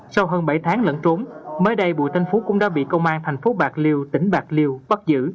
sau hơn bảy tháng lẫn trốn mới đây bùi thanh phú cũng đã bị công an thành phố bạc liêu tỉnh bạc liêu bắt giữ